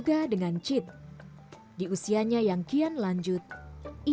wah kayaknya tidak muncul sekarang rata rata